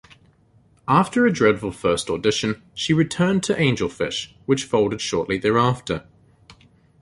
After a dreadful first audition, she returned to Angelfish, which folded shortly thereafter.